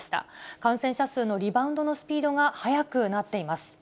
感染者数のリバウンドのスピードが速くなっています。